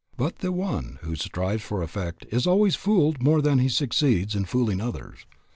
But the one who strives for effect is always fooled more than he succeeds in fooling others.